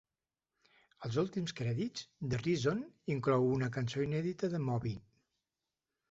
Als últims crèdits, "The Reason" inclou una cançó inèdita de Moby.